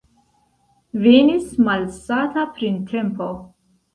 Venis malsata printempo.